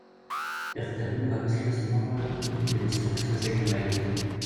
Ixeddamen uɣalen seklasen meṛṛa akud n uxeddim-nsen deg usnas-agi amaynut.